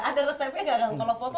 ada resepnya nggak dong kalau foto